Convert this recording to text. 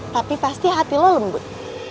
tapi pasti hati lo lembut